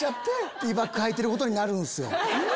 Ｔバックはいてることになるんすよ。